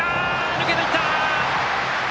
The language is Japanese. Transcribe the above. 抜けていった！